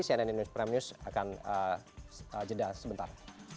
cnn indonesia prime news akan jeda sebentar